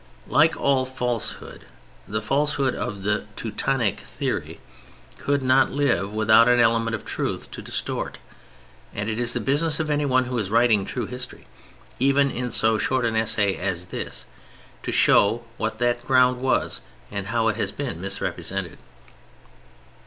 Like all falsehood, the falsehood of the "Teutonic theory" could not live without an element of truth to distort, and it is the business of anyone who is writing true history, even in so short an essay as this, to show what that ground was and how it has been misrepresented.